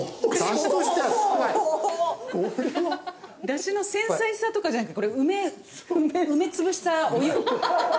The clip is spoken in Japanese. ダシの繊細さとかじゃなくてこれ梅梅潰したお湯。